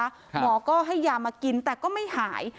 หมอก็ให้ยามากินแต่ก็ไม่หาย